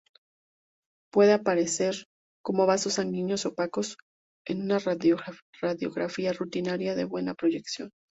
Puede aparecer como vasos sanguíneos opacos en una radiografía rutinaria de buena proyección.